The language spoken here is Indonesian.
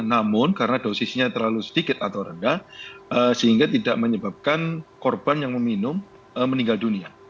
namun karena dosisnya terlalu sedikit atau rendah sehingga tidak menyebabkan korban yang meminum meninggal dunia